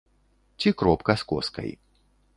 Ці кропка з коскай.